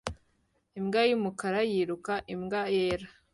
Imbwa y'umukara yiruka n'imbwa yera